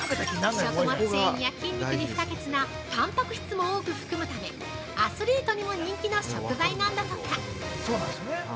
食物繊維や筋肉に不可欠なたんぱく質も多く含むため、アスリートにも人気の食材なんだとか！